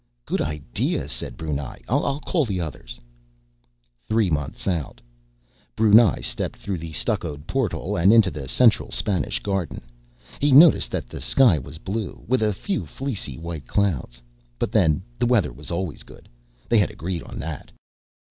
"Good idea," said Brunei. "I'll call the others." Three months out: Brunei stepped through the stuccoed portal, and into the central Spanish garden. He noticed that the sky was blue, with a few fleecy white clouds. But then, the weather was always good. They had agreed on it.